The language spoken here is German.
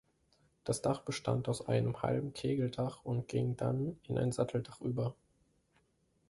Das Dach bestand aus einem halben Kegeldach und ging dann in ein Satteldach über.